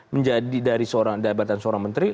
menjadi dari seorang jabatan seorang menteri